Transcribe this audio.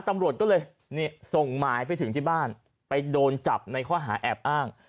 ตำรวจก็เลยส่งหมายไปถึงที่บ้านไปโดนจับในข้อหาแอบอ้าง